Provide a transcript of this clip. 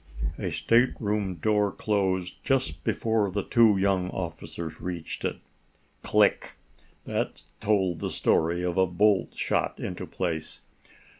A stateroom door closed just before the two young officers reached it. Click! That told the story of a bolt shot into place.